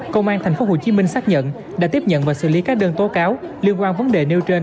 công an tp hcm xác nhận đã tiếp nhận và xử lý các đơn tố cáo liên quan vấn đề nêu trên